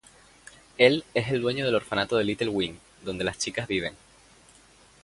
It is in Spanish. El es el dueño del orfanato de Little Wing donde las chicas viven.